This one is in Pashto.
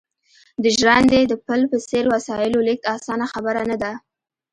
د ژرندې د پل په څېر وسایلو لېږد اسانه خبره نه ده